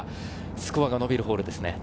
スコアが伸びるホールですね。